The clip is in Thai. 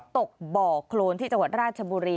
ตกบ่อโครนที่จังหวัดราชบุรี